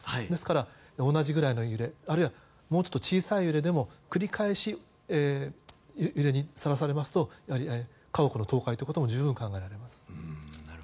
ですから、同じぐらいの揺れあるいはもうちょっと小さい揺れでも繰り返し、揺れにさらされますと家屋の倒壊とかも十分考えられます。